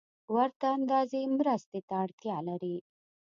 ورته اندازې مرستې ته اړتیا لري